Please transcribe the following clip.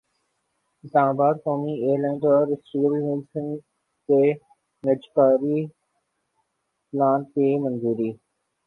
اسلام باد قومی ایئرلائن اور اسٹیل ملزکے نجکاری پلان کی منظوری